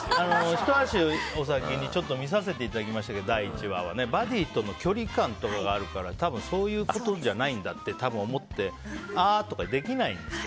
ひと足お先に見させていただきましたけど第１話はねバディとの距離感とかがあるからそういうことじゃないんだと思ってわー！とかできないんですよ